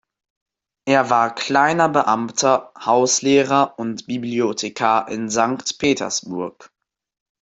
Er war kleiner Beamter, Hauslehrer und Bibliothekar in Sankt Petersburg.